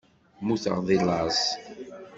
Mmuteɣ deg laẓ.